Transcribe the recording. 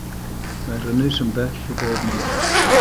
Mae'r ynys yn bell o bob man.